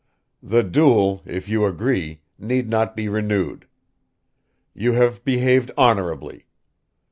The duel, if you agree, need not be renewed. You have behaved honorably